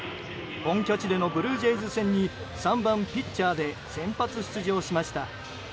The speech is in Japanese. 本拠地でのブルージェイズ戦に３番ピッチャーで先発出場しました。